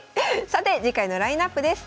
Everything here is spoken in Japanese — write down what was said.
さて次回のラインナップです。